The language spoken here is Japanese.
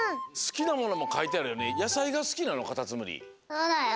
そうだよ。